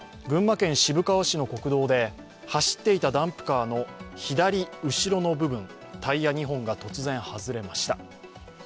群馬県渋川市の国道で、走っていたダンプカーの左後ろの部分、タイヤ２本が突然外れました。